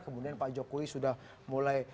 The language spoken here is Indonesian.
kemudian pak jokowi sudah mulai